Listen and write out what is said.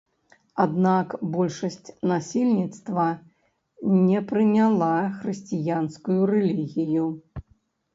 Аднак большасць насельніцтва не прыняла хрысціянскую рэлігію.